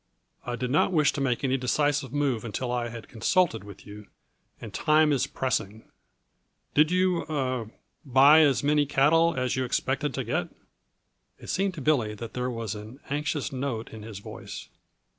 I did not wish to make any decisive move until I had consulted with you, and time is pressing. Did you er buy as many cattle as you expected to get?" It seemed to Billy that there was an anxious note in his voice.